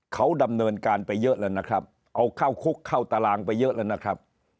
เขาดำเนินการไปเยอะแล้วนะครับเอาเข้าคุกเข้าตารางไปเยอะแล้วนะครับ